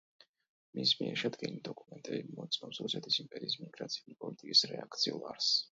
მის მიერ შედგენილი დოკუმენტები მოწმობს რუსეთის იმპერიის მიგრაციული პოლიტიკის რეაქციულ არსს.